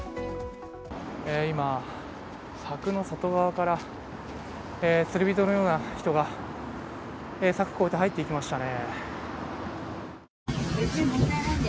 今、柵の外側から釣り人のような人が柵越えて入っていきましたね。